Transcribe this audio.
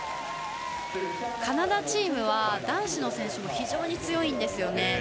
カナダチームは男子の選手も非常に強いんですよね。